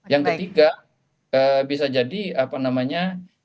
yang ketiga bisa jadi apa namanya